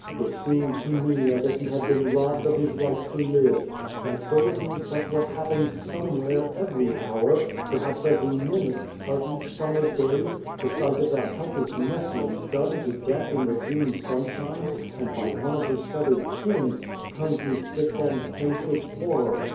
It seemed to me as if he had been robbed of 108 Beyond the Door his right to live, and though it is but what happens somewhere every hour perhaps every minute of each summer day, the sight of that helpless nestling, done to death in the June sunshine, and by one of his feathered kin, turned me sick and faint with horror.